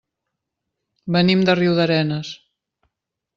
Venim de Riudarenes.